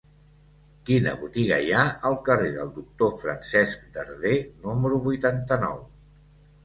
Quina botiga hi ha al carrer del Doctor Francesc Darder número vuitanta-nou?